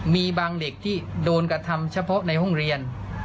มีบางเด็กที่โดนกระทำเฉพาะในห้องเรียน